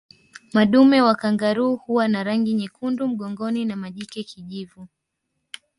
Madume wa kangaroo huwa na rangi nyekundu mgongoni na majike kijivu